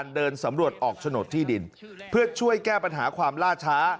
เดินสำรวจออกโฉนดที่ดินเพื่อช่วยแก้ปัญหาความล่าช้า